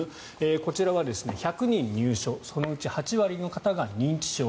こちらは１００人入所そのうち８割の方が認知症。